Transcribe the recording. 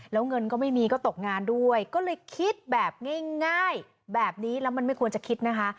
แล้วเงินก็ไม่มีก็ตกงานด้วยก็เลยคิดแบบง่ายแบบนี้แล้วมันไม่ควรจะคิดนะคะ